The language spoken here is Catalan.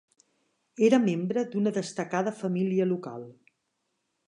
Era membre d'una destacada família local.